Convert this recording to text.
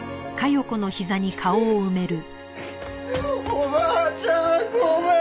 おばあちゃんごめん！